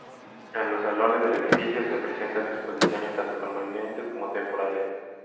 En los salones del edificio se presentan exposiciones tanto permanentes como temporales.